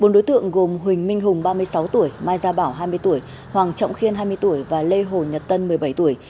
bốn đối tượng gồm huỳnh minh hùng ba mươi sáu tuổi mai gia bảo hai mươi tuổi hoàng trọng khiên hai mươi tuổi và lê hồ nhật tân một mươi bảy tuổi